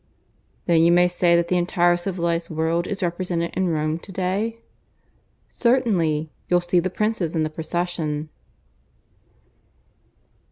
"Then you may say that the entire civilized world is represented in Rome to day?" "Certainly. You'll see the princes in the procession."